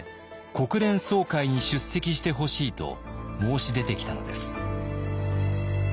国連総会に出席してほしいと申し出てきたのです。